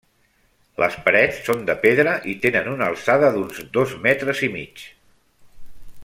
Les parets són de pedra i tenen una alçada d'uns dos metres i mig.